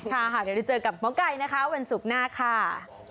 เดี๋ยวเราเจอกับหมอไก้วันศุกร์หน้าค่ะ